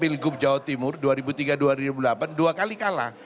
pilgub jawa timur dua ribu tiga dua ribu delapan dua kali kalah